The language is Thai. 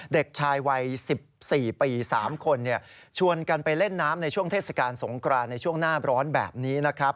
เด็กชายวัย๑๔ปี๓คนชวนกันไปเล่นน้ำในช่วงเทศกาลสงกรานในช่วงหน้าร้อนแบบนี้นะครับ